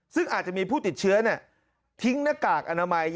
ซึ่งอาจจะมีผู้ติดเชื้อทิ้งหน้ากากอนามัย